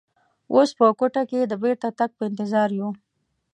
اوس په کوټه کې د بېرته تګ په انتظار یو.